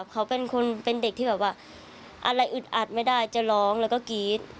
เขาเป็นคนเป็นเด็กที่แบบว่าอะไรอึดอัดไม่ได้จะร้องแล้วก็กรี๊ด